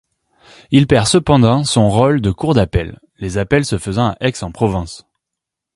Il perd cependant son rôle de cour d'appel, les appels se faisant à Aix-en-Provence.